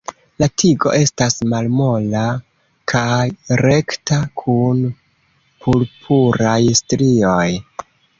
La tigo estas malmola kaj rekta kun purpuraj strioj.